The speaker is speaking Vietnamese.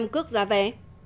cước giá vé